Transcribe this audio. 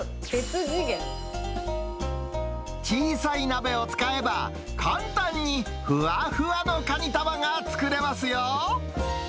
小さい鍋を使えば、簡単にふわふわのカニ玉が作れますよ。